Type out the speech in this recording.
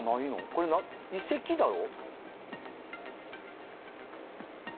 これ遺跡だろ？